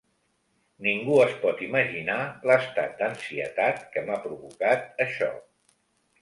Ningú es pot imaginar l’estat d’ansietat que m’ha provocat això.